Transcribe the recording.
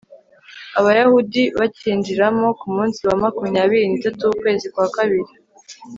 abayahudi bacyinjiramo ku munsi wa makumyabiri n'itatu w'ukwezi kwa kabiri